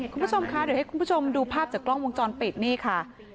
คุณผู้ชมคะเดี๋ยวให้คุณผู้ชมดูภาพจากกล้องวงจรปิดนี่ค่ะ